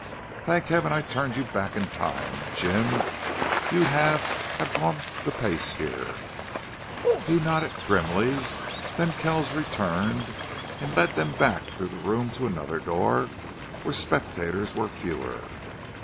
"Thank Heaven I turned you back in time!... Jim, you'd have have gone the pace here." He nodded grimly. Then Kells returned and led them back through the room to another door where spectators were fewer.